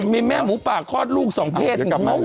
มีแม่หมูป่าคลอดลูกสองเพศ